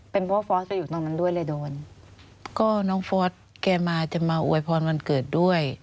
เป็นเพราะฟอร์สก็อยู่ตรงนั้นด้วยเลยโดนก็น้องฟอสแกมาจะมาอวยพรวันเกิดด้วย